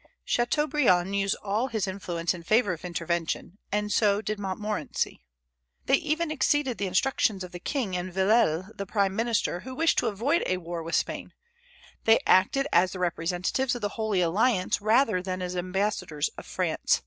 Chateaubriand used all his influence in favor of intervention; and so did Montmorency. They even exceeded the instructions of the king and Villèle the prime minister, who wished to avoid a war with Spain; they acted as the representatives of the Holy Alliance rather than as ambassadors of France.